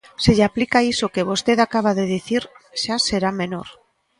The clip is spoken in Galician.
Se lle aplica iso que vostede acaba de dicir, xa será menor.